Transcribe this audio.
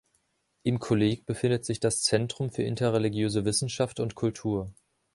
Im Kolleg befindet sich das Zentrum für interreligiöse Wissenschaft und Kultur.